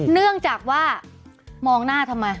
เนื่องจากว่ามองหน้าทำไม